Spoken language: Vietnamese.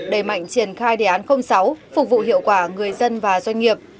đẩy mạnh triển khai đề án sáu phục vụ hiệu quả người dân và doanh nghiệp